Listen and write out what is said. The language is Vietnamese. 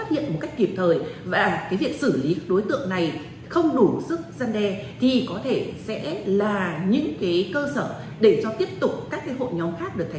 và thực hiện một cách